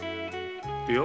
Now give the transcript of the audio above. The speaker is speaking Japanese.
いや。